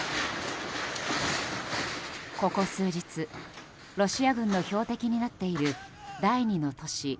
ここ数日ロシア軍の標的になっている第２の都市